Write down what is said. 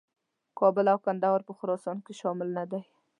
کابل او کندهار په خراسان کې شامل نه دي.